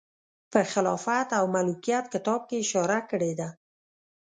په خلافت او ملوکیت کتاب کې یې اشاره کړې ده.